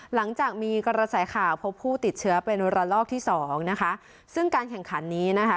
หลังจากมีกระแสข่าวพบผู้ติดเชื้อเป็นระลอกที่สองนะคะซึ่งการแข่งขันนี้นะคะ